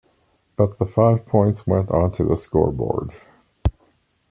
But the five points went onto the scoreboard.